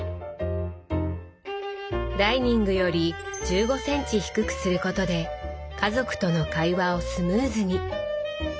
ダイニングより１５センチ低くすることで家族との会話をスムーズに。